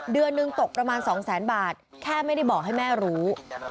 เดือนหนึ่งตกประมาณ๒แสนบาทแค่ไม่ได้บอกให้แม่รู้